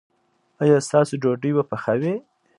ایا ستاسو ډوډۍ به پخه وي؟